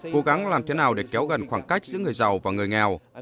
cố gắng làm thế nào để kéo gần khoảng cách giữa người giàu và người nghèo